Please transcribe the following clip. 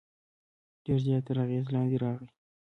ډېر زیات تر اغېز لاندې راغی.